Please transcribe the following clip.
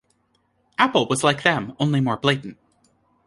Apple was like them, only more blatant.